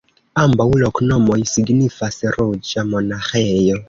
Ambaŭ loknomoj signifas: ruĝa monaĥejo.